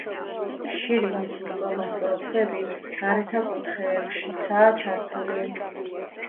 შირიმის, უსწორმასწორო ქვები გარეთა კუთხეებშიცაა ჩართული.